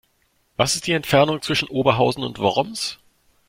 Was ist die Entfernung zwischen Oberhausen und Worms?